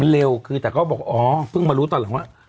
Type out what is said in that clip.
เร็วคือแต่ก็บอกอ๋อเพิ่งมารู้ตอนหลังว่า